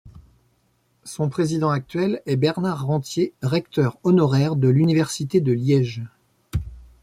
Son président actuel est Bernard Rentier, recteur honoraire de l’Université de Liège.